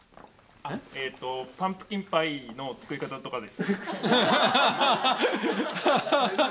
パンプキンパイの作り方とかです。